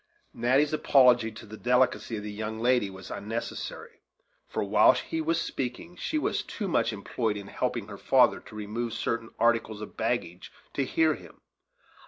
Natty's apology to the delicacy of the young lady was unnecessary, for, while he was speaking, she was too much employed in helping her father to remove certain articles of baggage to hear him.